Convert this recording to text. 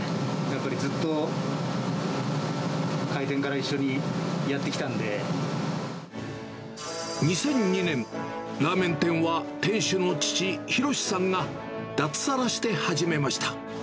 やっぱりずっと、２００２年、ラーメン店は店主の父、ひろしさんが脱サラして始めました。